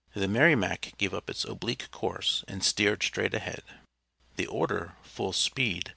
The Merrimac gave up its oblique course, and steered straight ahead. The order "Full speed!"